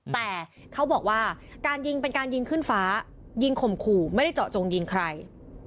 แต่เขาบอกว่าการยิงเป็นการยิงขึ้นฟ้ายิงข่มขู่ไม่ได้เจาะจงยิงใคร